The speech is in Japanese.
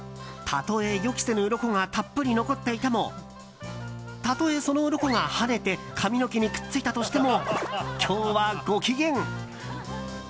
たとえ、予期せぬうろこがたっぷり残っていてもたとえ、そのうろこがはねて髪の毛にくっついたとしても今日はご機嫌。